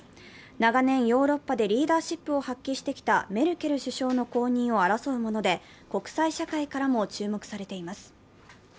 長年、ヨーロッパでリーダーシップを発揮してきたメルケル首相の後任を争うもので国際社会からも注目されています。